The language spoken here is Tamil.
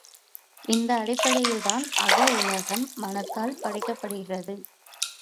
இந்த அடிப்படையில்தான் அக உலகம் மனத்தால் படைக்கப்படுகிறது.